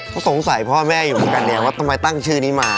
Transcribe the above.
เห้าสงสัยพ่อแม่อยู่ในการแหนมว่าต้องไปตั้งชื่อนี้มา